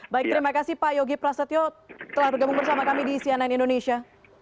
baik terima kasih pak yogi prasetyo telah bergabung bersama kami di cnn indonesia